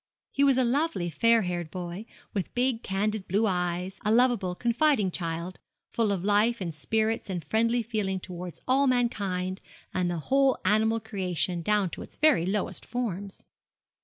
He was a lovely, fair haired boy, with big candid blue eyes, a lovable, confiding child, full of life and spirits and friendly feeling towards all mankind and the whole animal creation, down to its very lowest forms.